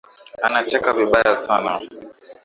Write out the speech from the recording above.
Anacheka vibaya sana